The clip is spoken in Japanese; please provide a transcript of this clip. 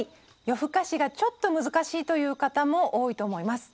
夜更かしがちょっと難しいという方も多いと思います。